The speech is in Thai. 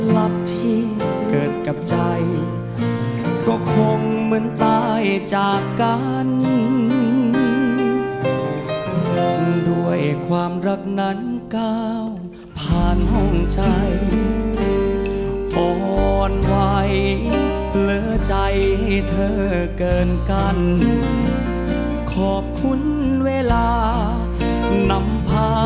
และตัวช่วยของคุณเต้ก็คือ